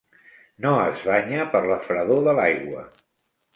No es banya per la fredor de l'aigua.